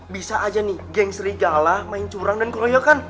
bisa aja nih geng serigala main curang dan keroyokan